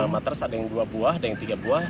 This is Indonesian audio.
matras ada yang dua buah ada yang tiga buah